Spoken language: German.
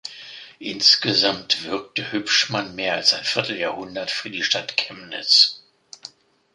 Insgesamt wirkte Hübschmann mehr als ein Vierteljahrhundert für die Stadt Chemnitz.